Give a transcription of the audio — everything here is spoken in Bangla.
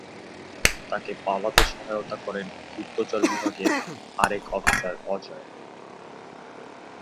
তাকে পালাতে সহায়তা করেন গুপ্তচর বিভাগের আরেক অফিসার অজয়।